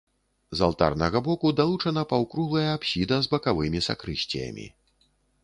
З алтарнага боку далучана паўкруглая апсіда з бакавымі сакрысціямі.